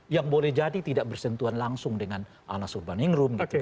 yang boleh jadi tidak bersentuhan langsung dengan anas urbaningrum